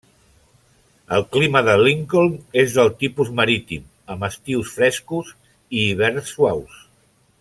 El clima de Lincoln és del tipus marítim, amb estius frescos i hiverns suaus.